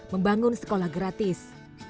membangun sekolah gratis